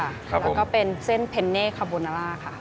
แล้วก็เป็นเส้นเพนเน่คาโบนาร่าค่ะ